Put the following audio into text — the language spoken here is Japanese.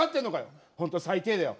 ほんと最低だよ